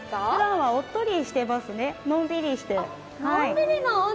普段はおっとりしていますね、のんびりしています。